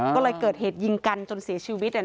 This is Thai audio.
ก็เลยเกิดเหตุยิงกันจนเสียชีวิต